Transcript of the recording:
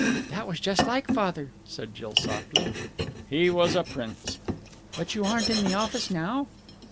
"That was just like father," said Jill softly. "He was a prince." "But you aren't in the office now?"